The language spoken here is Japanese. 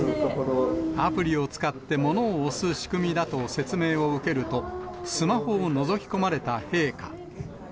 アプリを使ってものを押す仕組みだと説明を受けると、スマホをのぞき込まれた陛下。